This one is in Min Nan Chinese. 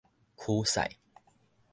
驅使